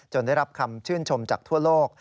ได้รับคำชื่นชมจากทั่วโลก